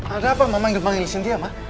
ada apa mama yang dipanggil sitiah